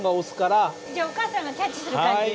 じゃあお母さんがキャッチする感じで。